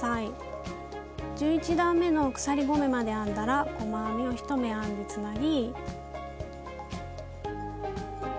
１１段めの鎖５目まで編んだら細編みを１目編んでつなぎ。